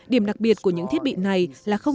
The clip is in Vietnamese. điểm đặc biệt của những thiết bị này là khó khăn